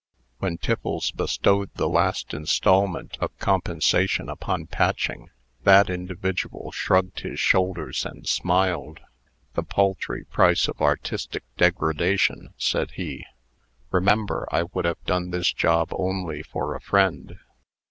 When Tiffles bestowed the last instalment of compensation upon Patching, that individual shrugged his shoulders, and smiled. "The paltry price of artistic degradation," said he. "Remember, I would have done this job only for a friend.